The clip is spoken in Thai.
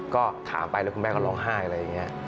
ก็ถามไปแล้วคุณแม่ก็ร้องไห้อะไรอย่างนี้